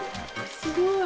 すごい！